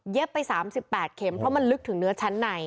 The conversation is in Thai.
ไป๓๘เข็มเพราะมันลึกถึงเนื้อชั้นใน